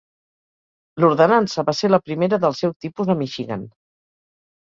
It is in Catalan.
L'ordenança va ser la primera del seu tipus a Michigan.